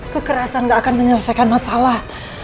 kekerasan gak akan menyelesaikan masalah